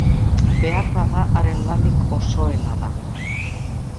Beharbada, haren lanik osoena da.